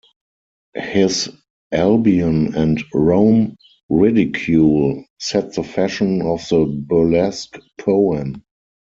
His "Albion" and "Rome ridicule" set the fashion of the burlesque poem.